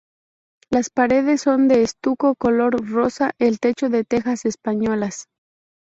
Las paredes son de estuco color rosa, el techo de tejas españolas.